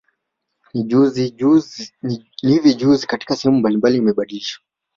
Ni hivi juzi katika sehemu mbalimbali imebadilishwa